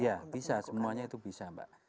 ya bisa semuanya itu bisa mbak